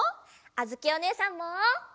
あづきおねえさんも！